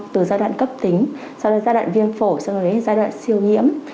từ giai đoạn cấp tính sau đó giai đoạn viêm phổi sau đó giai đoạn siêu nhiễm